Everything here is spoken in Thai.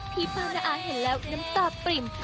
พี่ป้าน้าอาเห็นแล้วน้ำตาปริ่ม